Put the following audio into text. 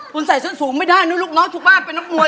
คุณใส่ชุมสูงไม่ได้นี่ลูกน้องตรงบ้านเป็นน้องมวย